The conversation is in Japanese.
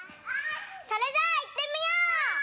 それじゃあいってみよう！